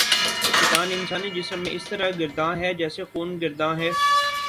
شیطان انسانی جسم میں اسی طرح گرداں ہے جیسے خون گرداں ہے